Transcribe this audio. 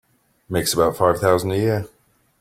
Makes about five thousand a year.